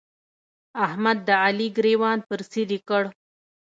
احمد د علي ګرېوان پر څيرې کړ.